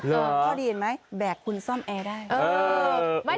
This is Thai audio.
เค้านะมั้ยแบกคุณซ่อมแอได้